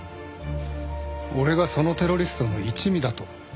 俺がそのテロリストの一味だと？